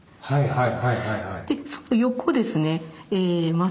はい。